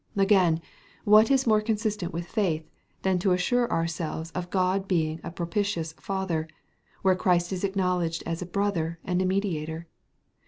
" Again, what is more consistent with faith, than to assure ourselves of God being a propitious Father, where Christ is acknowledged as a brother and Mediator?